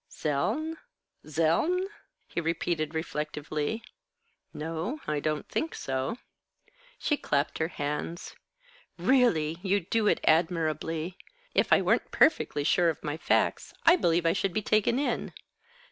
"Zeln? Zeln?" he repeated, reflectively. "No, I don't think so." She clapped her hands. "Really, you do it admirably. If I weren't perfectly sure of my facts, I believe I should be taken in.